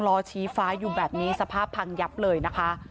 ล้อชี้ฟ้าอยู่แบบนี้สภาพพังยับเลยนะคะ